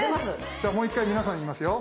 じゃあもう１回皆さん言いますよ。